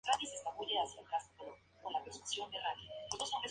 Existe un único registro documentado en los Estados Unidos, en Texas.